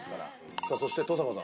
さあそして登坂さん。